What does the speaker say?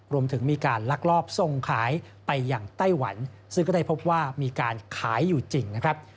รวมถึงมีการลักลอบส่งขายไปอย่างไต้หวันซึ่งก็ได้พบว่ามีการขายอยู่จริงนะครับ